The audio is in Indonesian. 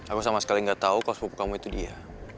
aku sama sekali gak tahu kok sepupu kamu itu dia